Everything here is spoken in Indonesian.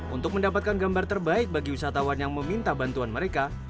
untuk mendapatkan gambar terbaik bagi wisatawan yang meminta bantuan mereka